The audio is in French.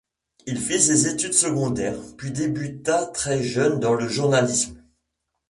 Il fit des études secondaires, puis débuta très jeune dans le journalisme.